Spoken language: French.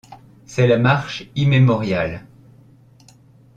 C’est la marche immémoriale.